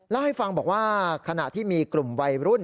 เล่าให้ฟังบอกว่าขณะที่มีกลุ่มวัยรุ่น